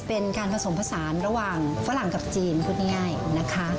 เป็นการผสมผสานระหว่างฝรั่งกับจีนพูดง่ายนะคะ